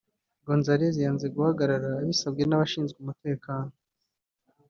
Gonzalez yanze guhagarara abisabwe n’abashinzwe umutekano